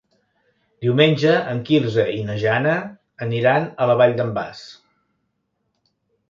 Diumenge en Quirze i na Jana aniran a la Vall d'en Bas.